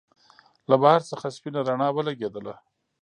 له بهر څخه سپينه رڼا ولګېدله.